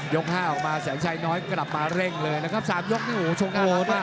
ยก๕ออกมาแสงชัยน้อยกลับมาเร่งเลยนะครับ๓ยกนี้โอ้โหช่องหน้าน้ำมาก